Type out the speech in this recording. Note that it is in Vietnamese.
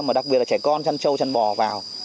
mà đặc biệt là trẻ con chăn trâu chăn bò vào